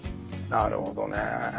なるほどねえ。